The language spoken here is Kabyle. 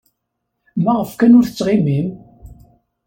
Maɣef kan ur tettɣimim?